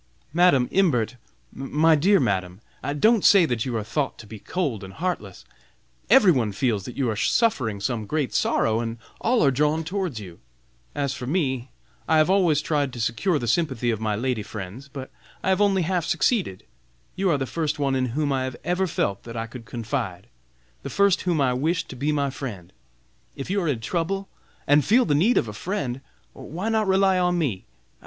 "Madam Imbert, my dear Madam, don't say that you are thought to be cold and heartless! Every one feels that you are suffering some great sorrow, and all are drawn towards you. As for me I have always tried to secure the sympathy of my lady friends, but I have only half succeeded. You are the first one in whom I have ever felt that I could confide, the first whom I wished to be my friend. If you are in trouble and feel the need of a friend, why not rely on me?